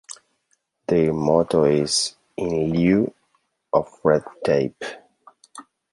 Their motto is, In Lieu of Red Tape.